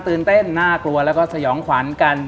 ตื่นเต้นน่ากลัวแล้วก็สยองขวัญกัน